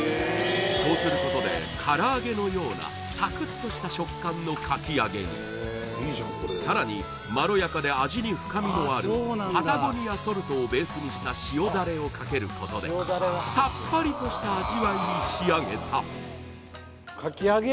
そうすることで唐揚げのようなサクッとした食感のかきあげにさらにまろやかで味に深みのあるパタゴニアソルトをベースにした塩だれをかけることでに仕上げたかきあげ